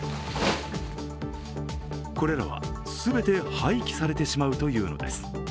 これらは全て廃棄されてしまうというのです。